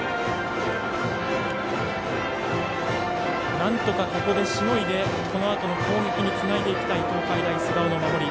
なんとかここでしのいでこのあとの攻撃につないでいきたい東海大菅生の守り。